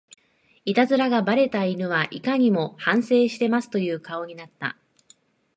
イタズラがバレた犬はいかにも反省してますという顔になった